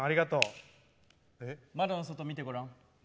窓の外、見てごらん。